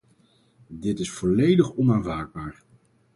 Dit is volledig onaanvaardbaar.